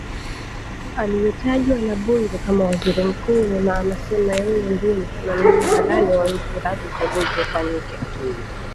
aliyetajwa na bunge kama waziri mkuu, na anasema yeye ndie msimamizi halali wa nchi hadi uchaguzi ufanyike